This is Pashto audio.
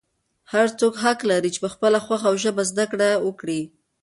هر څوک حق لري چې په خپله خوښه او ژبه زده کړه وکړي.